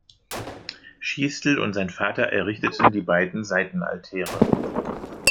Schiestl und sein Vater errichteten die beiden Seitenaltäre.